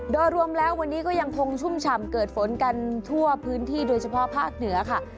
โดยรวมแล้ววันนี้ก็ยังคงชุ่มฉ่ำเกิดฝนกันทั่วพื้นที่โดยเฉพาะภาคเหนือค่ะ